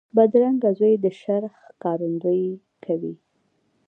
بدرنګه خوی د شر ښکارندویي کوي